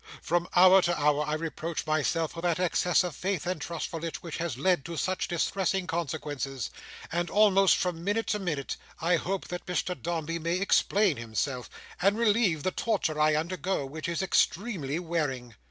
From hour to hour I reproach myself for that excess of faith and trustfulness which has led to such distressing consequences; and almost from minute to minute, I hope that Mr Dombey may explain himself, and relieve the torture I undergo, which is extremely wearing.